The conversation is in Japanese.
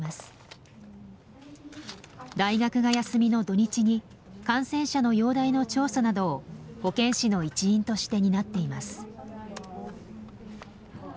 大学が休みの土日に感染者の容体の調査などを保健師の一員として担っています。